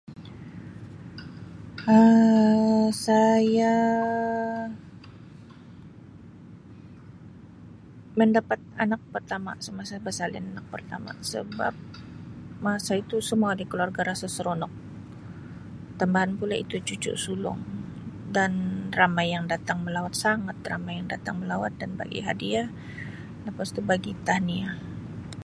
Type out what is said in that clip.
Um Saya mendapat anak pertama semasa bersalin anak pertama sebab masa itu semua ahli keluarga rasa seronok tambahan pula itu cucu sulung dan ramai yang datang melawat sangat ramai yang datang melawat dan bagi hadiah lepas tu bagi tahniah.